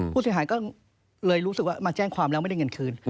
ผู้เสียหายก็เลยรู้สึกว่ามาแจ้งความแล้วไม่ได้เงินคืน